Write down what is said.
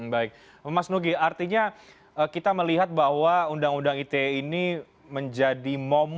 baik mas nugi artinya kita melihat bahwa undang undang ite ini menjadi momok